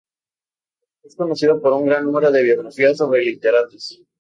Es conocido por un gran número de biografías sobre literatos.